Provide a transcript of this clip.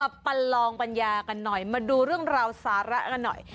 ประลองปัญญากันหน่อยมาดูเรื่องราวสาระกันหน่อย